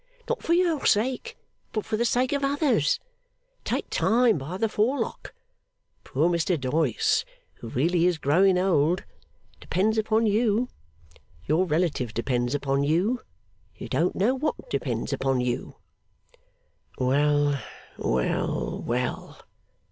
Not for your sake, but for the sake of others. Take time by the forelock. Poor Mr Doyce (who really is growing old) depends upon you. Your relative depends upon you. You don't know what depends upon you.' 'Well, well, well!